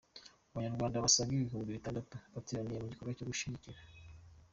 Abanyarwanda basaga Ibihumbi bitandatu bateraniye mu gikorwa cyo gushyigikira